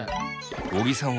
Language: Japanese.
尾木さん